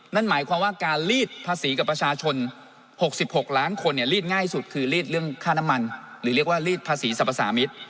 นั่นหมายความว่าการลีดภาษีกับประชาชน๖๖ล้านคนรีดง่ายสุดคือรีดเรื่องค่าน้ำมันหรือเรียกว่ารีดภาษีสรรพสามิตร